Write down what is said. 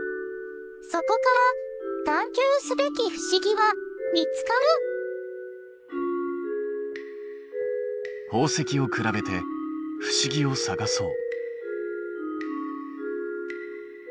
そこから探究すべき不思議は見つかる宝石を比べて不思議を探そう。